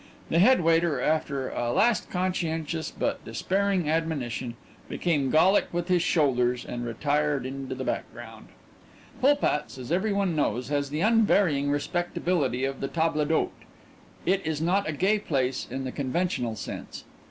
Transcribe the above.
The head waiter, after a last conscientious but despairing admonition, became Gallic with his shoulders and retired into the background. Pulpat's, as every one knows, has the unvarying respectability of the table d'hôte. It is not a gay place in the conventional sense.